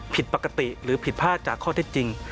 ผิดปกติหรือผิดพลาดจากข้อเท็จจริง